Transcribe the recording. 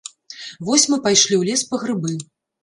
Вось мы пайшлі ў лес па грыбы.